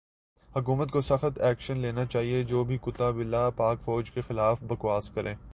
حکومت کو سخت ایکشن لینا چایئے جو بھی کتا بلا پاک فوج کے خلاف بکواس کرے